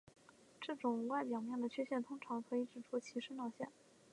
这种外表面的缺陷通常可以指出其生长线。